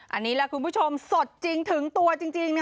อันนี้แหละคุณผู้ชมสดจริงถึงตัวจริง